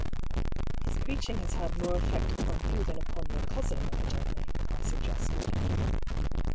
" His preaching has had more effect upon you than upon your cousin, evidently," I suggested.